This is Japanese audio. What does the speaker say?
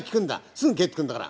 すぐ帰ってくるんだから。